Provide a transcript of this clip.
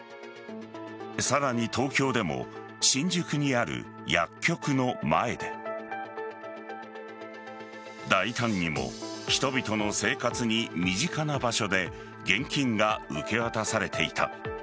さらに東京でも新宿にある薬局の前で大胆にも人々の生活に身近な場所で現金が受け渡されていた。